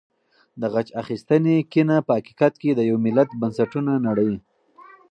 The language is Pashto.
د غچ اخیستنې کینه په حقیقت کې د یو ملت بنسټونه نړوي.